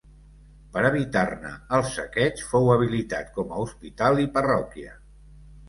Per evitar-ne el saqueig fou habilitat com a hospital i parròquia.